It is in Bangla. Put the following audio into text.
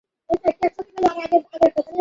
চল হ্যাকারের সাথে দেখা করি, বলুন ভাই।